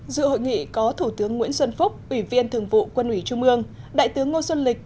dự hội nghị có thủ tướng nguyễn xuân phúc ủy viên thường vụ quân ủy trung ương đại tướng ngô xuân lịch